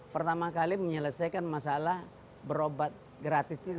pertama kali menyelesaikan masalah berobat gratis itu